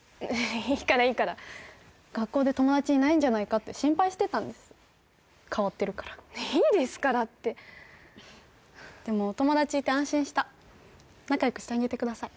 いいからいいから学校で友達いないんじゃないかって心配してたんです変わってるからいいですからってでもお友達いて安心した仲よくしてあげてください